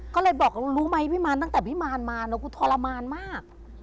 ก็เลยบอกรู้ไหมพี่มารตั้งแต่พี่มารมาแล้วกูทรมานมาก